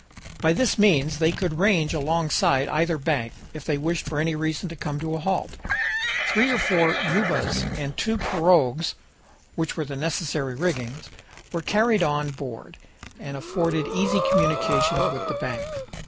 By this means they could range alongside either bank, if they wished for any reason to come to a halt. Three or four ubas, and two pirogues, with the necessary rigging, were carried on board, and afforded easy communications with the banks.